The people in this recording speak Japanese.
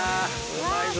うまいぞ。